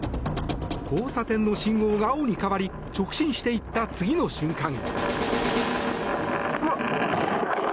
交差点の信号が青に変わり直進していった次の瞬間。